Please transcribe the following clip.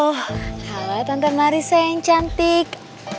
halo tante marissa yang cantik